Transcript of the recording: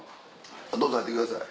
どうぞ入ってください。